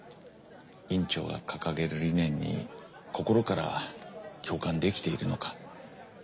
院長が掲げる理念に心から共感できているのか。